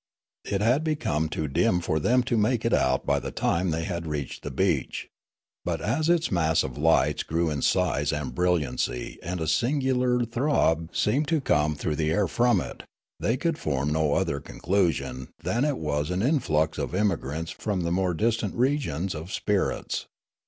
It had become too dim for them to make it out by the time they had reached the beach ; but as its mass of lights grew in size and brilliancy and a singular throb seemed to come through the air from it, they could form no other con clusion than that it was an influx of emigrants from the more distant regions of spirits.